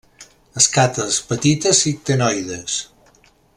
Escates petites i ctenoides.